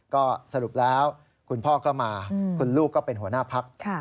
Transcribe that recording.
ก็สรุปแล้วคุณพ่อก็มาคุณลูกก็เป็นหัวหน้าพัก